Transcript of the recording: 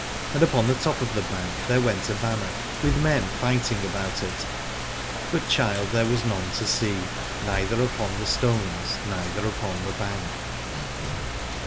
And upon the top of the bank there went a banner, with men fighting about it : but child there was none to see, neither upon the stones neither upon the bank.